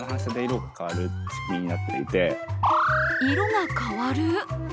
色が変わる？